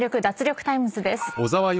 脱力タイムズ』です。